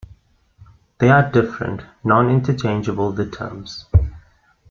They are different, non-interchangeable the terms.